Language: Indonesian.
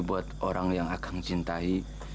buat orang yang akan cintai